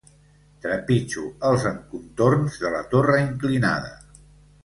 Trepitjo els encontorns de la torre inclinada.